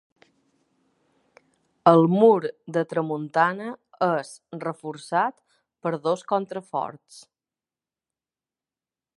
El mur de tramuntana és reforçat per dos contraforts.